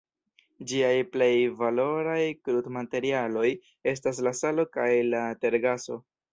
Ĝiaj plej valoraj krudmaterialoj estas la salo kaj la tergaso.